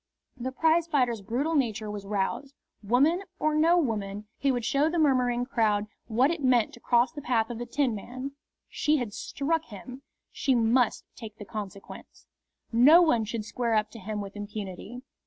The prizefighter's brutal nature was roused. Woman or no woman, he would show the murmuring crowd what it meant to cross the path of the Tinman. She had struck him. She must take the consequence. No one should square up to him with impunity.